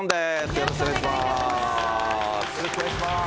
よろしくお願いします。